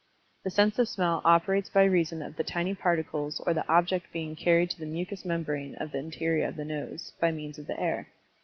The sense of Smell operates by reason of the tiny particles or the object being carried to the mucous membrane of the interior of the nose, by means of the air.